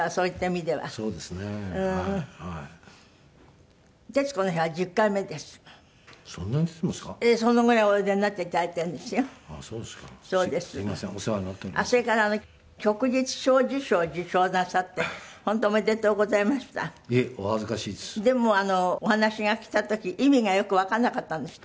でもお話が来た時意味がよくわかんなかったんですって？